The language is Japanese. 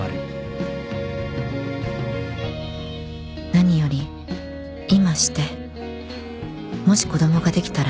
何より今してもし子供ができたら